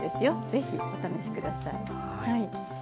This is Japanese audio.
ぜひお試し下さい。